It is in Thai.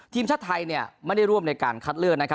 ทีมชาติไทยไม่ได้ร่วมในการคัตเลอร์